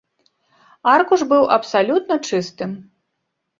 Аркуш быў абсалютна чыстым.